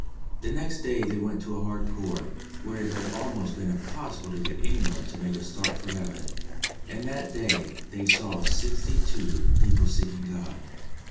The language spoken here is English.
The next day they went to a hard Corps, where it had almost been impossible to get anyone to make a. start for Heaven, and that day they saw sixty two people seeking God.